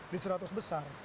di seratus besar